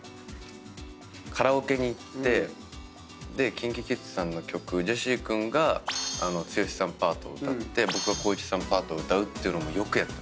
ＫｉｎＫｉＫｉｄｓさんの曲ジェシー君が剛さんパートを歌って僕が光一さんパートを歌うっていうのをよくやってました。